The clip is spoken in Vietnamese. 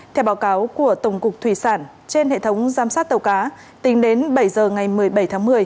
theo báo cáo của tổng cục thủy sản trên hệ thống giám sát tàu cá tính đến bảy giờ ngày một mươi bảy tháng một mươi